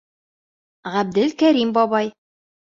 — Ғәбделкәрим бабай!